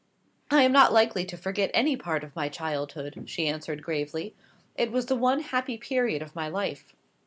"I am not likely to forget any part of my childhood," she answered gravely. "It was the one happy period of my life."